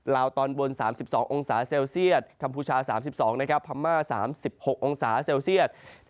ลาวตอนบน๓๒องศาเซลเซียตกัมพูชา๓๒นะครับพม่า๓๖องศาเซลเซียต